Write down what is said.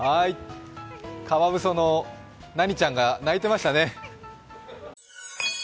カワウソの何ちゃんが鳴いてましたね。